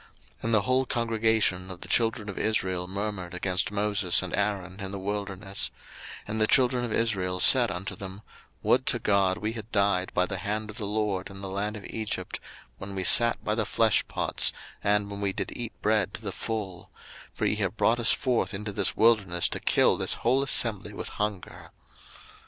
02:016:002 And the whole congregation of the children of Israel murmured against Moses and Aaron in the wilderness: 02:016:003 And the children of Israel said unto them, Would to God we had died by the hand of the LORD in the land of Egypt, when we sat by the flesh pots, and when we did eat bread to the full; for ye have brought us forth into this wilderness, to kill this whole assembly with hunger.